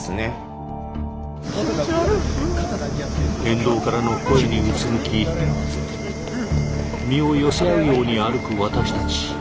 沿道からの声にうつむき身を寄せ合うように歩く私たち。